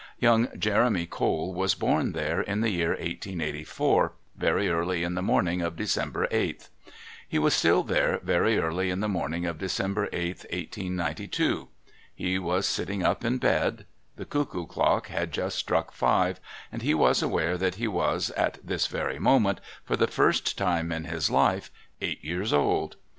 Young Jeremy Cole was born there in the year 1884, very early in the morning of December 8th. He was still there very early in the morning of December 8th, 1892. He was sitting up in bed. The cuckoo clock had just struck five, and he was aware that he was, at this very moment, for the first time in his life, eight years old.